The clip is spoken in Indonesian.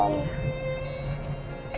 kedinginan atau engga